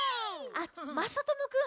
あっまさともくん。